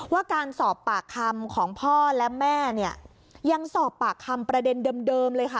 ว่าการสอบปากคำของพ่อและแม่เนี่ยยังสอบปากคำประเด็นเดิมเลยค่ะ